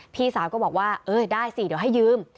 พี่สาวก็บอกว่าเออได้สิเดี๋ยวให้ยืม